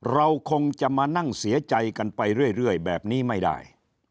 เราคงจะมานั่งเสียใจกันไปเรื่อยแบบนี้ไม่ได้